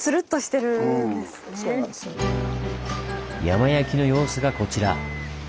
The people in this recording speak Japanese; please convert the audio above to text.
山焼きの様子がこちら。